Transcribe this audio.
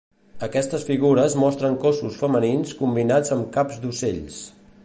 Aquestes figures mostren cossos femenins combinats amb caps d"ocells.